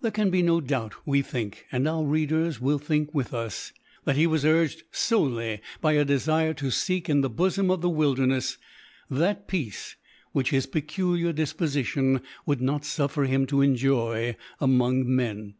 There can be no doubt, we think, (and our readers will think with us,) that he was urged solely by a desire to seek, in the bosom of the wilderness, that peace which his peculiar disposition would not suffer him to enjoy among men.